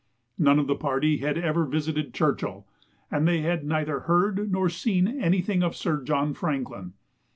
None of the party had ever visited Churchill, and they had neither heard nor seen anything of Sir John Franklin.